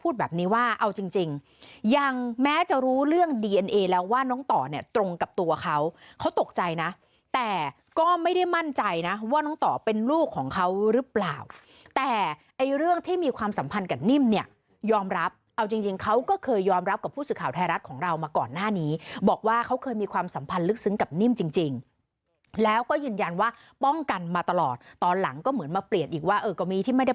แต่ก็ไม่ได้มั่นใจนะว่าน้องต่อเป็นลูกของเขารึเปล่าแต่เรื่องที่มีความสัมพันธ์กับนิ่มเนี่ยยอมรับเอาจริงเขาก็เคยยอมรับกับผู้สื่อข่าวไทยรัฐของเรามาก่อนหน้านี้บอกว่าเขาเคยมีความสัมพันธ์ลึกซึ้งกับนิ่มจริงแล้วก็ยืนยันว่าป้องกันมาตลอดตอนหลังก็เหมือนมาเปลี่ยนอีกว่าก็มีที่ไม่ได